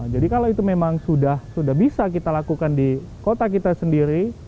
jadi kalau itu memang sudah bisa kita lakukan di kota kita sendiri